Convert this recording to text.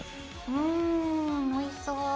うんおいしそう。